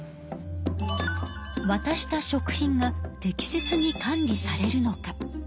わたした食品が適切に管理されるのか？